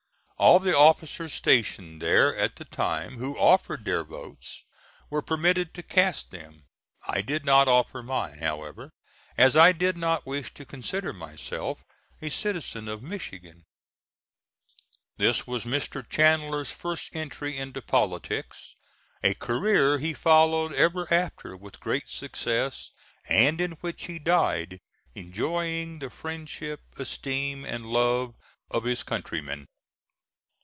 All the officers stationed there at the time who offered their votes were permitted to cast them. I did not offer mine, however, as I did not wish to consider myself a citizen of Michigan. This was Mr. Chandler's first entry into politics, a career he followed ever after with great success, and in which he died enjoying the friendship, esteem and love of his countrymen.